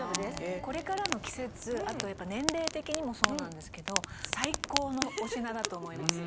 これからの季節あと年齢的にもそうなんですけど最高のお品だと思います。